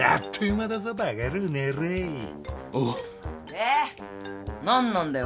で何なんだよ？